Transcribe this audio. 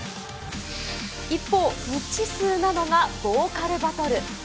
一方、未知数なのがボーカルバトル。